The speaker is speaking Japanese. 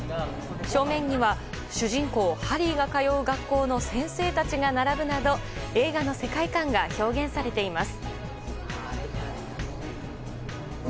正面には主人公ハリーが通う学校の先生たちが並ぶなど映画の世界観が表現されています。